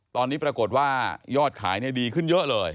ตอนนี้ปรากฏว่ายอดขายดีขึ้นเยอะเลย